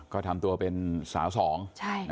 ก็ทำตัวเป็นสาวสอง